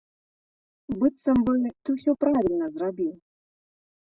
Быццам бы, ты ўсё правільна зрабіў.